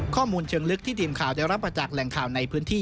ข้อมูลเชิงลึกที่ทีมข่าวได้รับมาจากแหล่งข่าวในพื้นที่